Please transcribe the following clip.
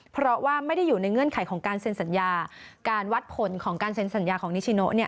เพราะว่าไม่ได้อยู่ในเงื่อนไขของการเซ็นสัญญาการวัดผลของการเซ็นสัญญาของนิชิโน